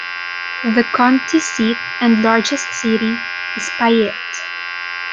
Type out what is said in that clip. The county seat and largest city is Payette.